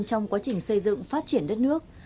trong quá trình xây dựng phát triển đất nước